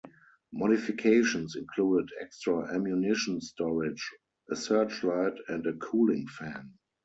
Modifications included extra ammunition storage, a searchlight and a cooling fan.